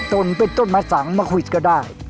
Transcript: จนเป็นต้นมะสังมาควิดก็ได้